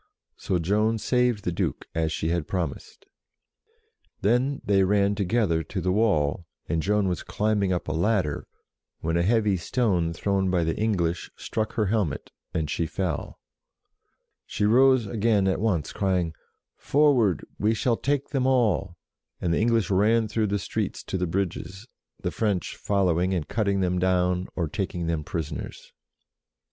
So Joan saved the Duke, as she had promised. Then they ran together to the wall, and Joan was climbing up a ladder, when a heavy stone thrown by the English struck her helmet, and she fell. She rose again at once, crying, " Forward, we shall take them all," and the English ran through the streets to the bridges, the French following and cutting them down, or taking them prisoners.